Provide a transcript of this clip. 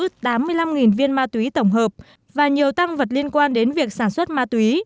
đồng tiền tiền viên ma túy tổng hợp và nhiều tăng vật liên quan đến việc sản xuất ma túy